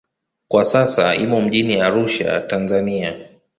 Kwa sasa imo mjini Arusha, Tanzania.